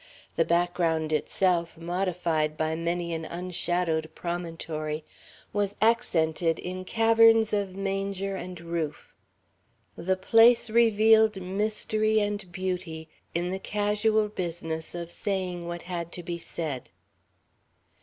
The background itself, modified by many an unshadowed promontory, was accented in caverns of manger and roof. The place revealed mystery and beauty in the casual business of saying what had to be said.